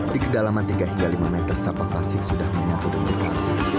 di kedalaman tiga hingga lima meter sampah plastik sudah menyatu dengan